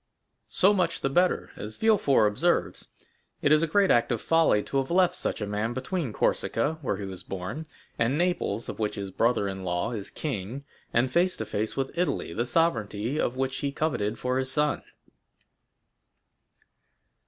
"So much the better. As Villefort observes, it is a great act of folly to have left such a man between Corsica, where he was born, and Naples, of which his brother in law is king, and face to face with Italy, the sovereignty of which he coveted for his son."